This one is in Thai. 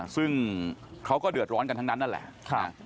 ซึ่งเขาก็เดือดร้อนกันทั้งนั้นนั่นแหละ